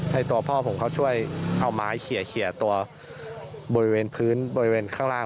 ให้ตัวพ่อผมเขาช่วยเอาไม้เขียตัวบริเวณพื้นบริเวณข้างล่าง